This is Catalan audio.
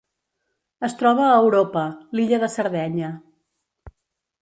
Es troba a Europa: l'illa de Sardenya.